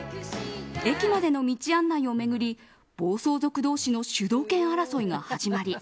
駅までの道案内を巡り暴走族同士の主導権争いが始まり